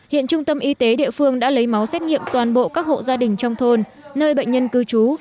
hiện trung tâm y tế địa phương đã lấy máu xét nghiệm toàn bộ các hộ gia đình trong thôn nơi bệnh nhân cư trú